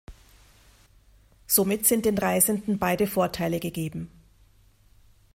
Somit sind den Reisenden beide Vorteile gegeben.